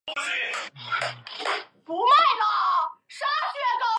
可升级成奔狗。